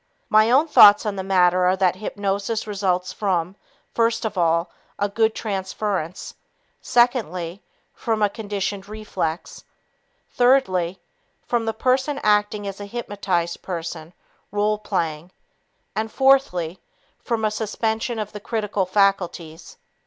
My own thoughts on the matter are that hypnosis results from, first of all, a good transference; secondly, from a conditioned reflex; thirdly, from the person acting as a hypnotized person (role playing), and, fourthly, from a suspension of the critical faculties.